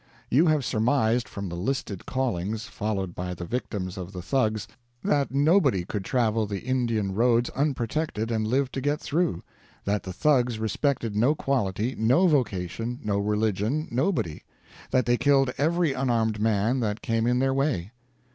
You have surmised from the listed callings followed by the victims of the Thugs that nobody could travel the Indian roads unprotected and live to get through; that the Thugs respected no quality, no vocation, no religion, nobody; that they killed every unarmed man that came in their way.